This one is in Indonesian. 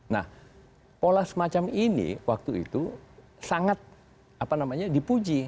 nah pola semacam ini waktu itu sangat dipuji